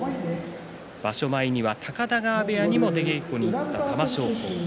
場所前には、高田川部屋にも出稽古に行った玉正鳳。